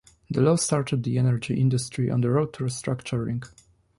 The law started the energy industry on the road to restructuring.